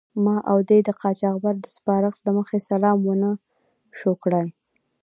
ما او دې د قاچاقبر د سپارښت له مخې سلام و نه شو کړای.